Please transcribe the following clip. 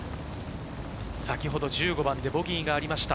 先ほど１５番でボギーがありました。